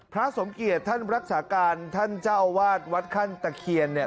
พระสมเกียจท่านรักษาการท่านเจ้าอาวาสวัดขั้นตะเคียนเนี่ย